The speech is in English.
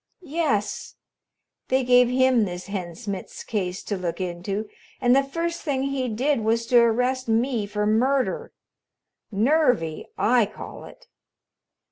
"Yes. They gave him this Hen Smitz case to look into, and the first thing he did was to arrest me for murder. Nervy, I call it."